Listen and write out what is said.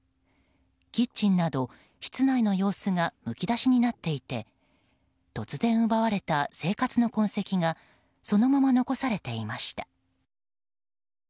キッチンなど、室内の様子がむき出しになっていて突然奪われた生活の痕跡がそのまま残されていました。